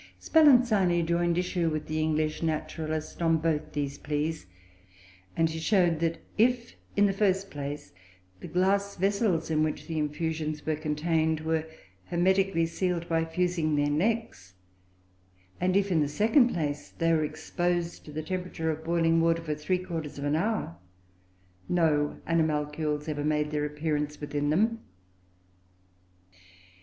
Spallanzani joined issue with the English naturalist on both these pleas, and he showed that if, in the first place, the glass vessels in which the infusions were contained were hermetically sealed by fusing their necks, and if, in the second place, they were exposed to the temperature of boiling water for three quarters of an hour, no animalcules ever made their appearance within them.